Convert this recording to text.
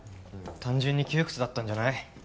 単純に窮屈だったんじゃない？